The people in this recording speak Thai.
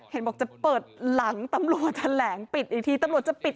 เห็นบอกจะเปิดหลังตำรวจแถลงปิดอีกทีตำรวจจะปิด